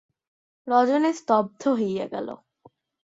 রজনী স্তব্ধ হইয়া গেল।